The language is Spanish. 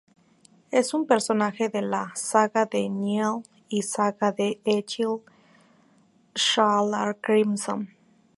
Es un personaje de la "saga de Njál", y "saga de Egil Skallagrímson".